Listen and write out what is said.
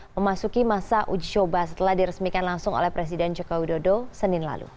memasuki masa uji coba setelah diresmikan langsung oleh presiden joko widodo senin lalu